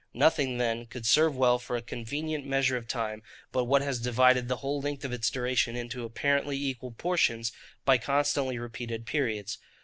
Nothing then could serve well for a convenient measure of time, but what has divided the whole length of its duration into apparently equal portions, by constantly repeated periods.